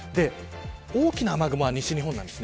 大きな雨雲は西日本です。